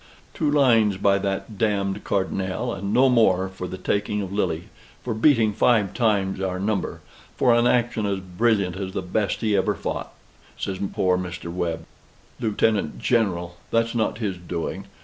"Two lines by that d d Cardonnel, and no more, for the taking of Lille for beating five times our number for an action as brilliant as the best he ever fought," says poor Mr. Webb. "Lieutenant General! That's not his doing.